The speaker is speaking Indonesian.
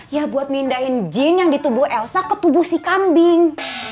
ya buat mindahin jin yang di tubuh elsa ke tubuh si kambing